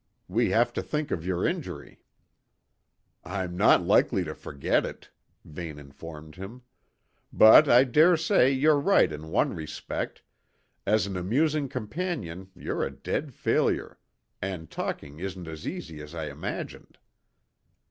We have to think of your injury." "I'm not likely to forget it," Vane informed him. "But I dare say you're right in one respect as an amusing companion you're a dead failure, and talking isn't as easy as I imagined."